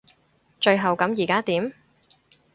最後咁依家點？